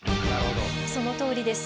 そのとおりです。